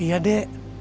simpan aja dek